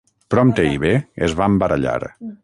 Prompte i bé es van barallar.